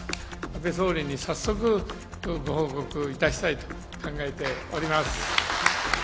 安倍総理に早速、ご報告いたしたいと考えております。